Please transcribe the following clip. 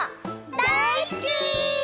だいすき！